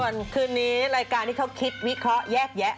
ส่วนคืนนี้รายการที่เขาคิดวิเคราะห์แยกแยะ